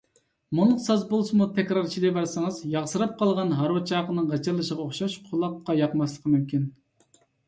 مۇڭلۇق ساز بولسىمۇ تەكرار چېلىۋەرسىڭىز، ياغسىراپ قالغان ھارۋا چاقىنىڭ غىچىرلىشىغا ئوخشاش قۇلاققا ياقماسلىقى مۇمكىن.